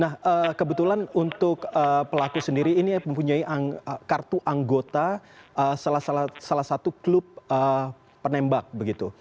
nah kebetulan untuk pelaku sendiri ini mempunyai kartu anggota salah satu klub penembak begitu